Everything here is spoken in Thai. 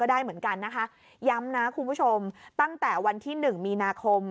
ได้เหมือนกันนะคะย้ำนะคุณผู้ชมตั้งแต่วันที่หนึ่งมีนาคม